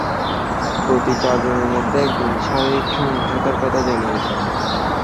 প্রতি চারজনের মধ্যে একজন শারীরিক সহিংসতার কথা জানিয়েছেন।